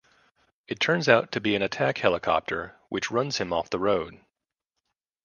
It turns out to be an attack helicopter, which runs him off the road.